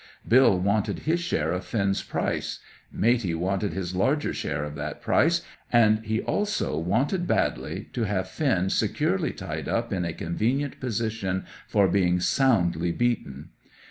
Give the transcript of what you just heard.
Bill wanted his share of Finn's price; Matey wanted his larger share of that price, and he also wanted badly to have Finn securely tied up in a convenient position for being soundly beaten.